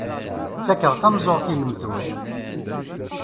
Ttakeɣ tameẓẓuɣt i lemtul.